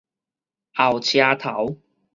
後車頭